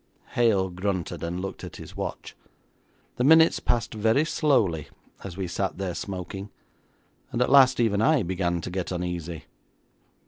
Hale grunted and looked at his watch. The minutes passed very slowly as we sat there smoking, and at last even I began to get uneasy.